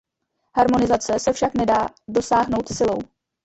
Harmonizace se však nedá dosáhnout silou.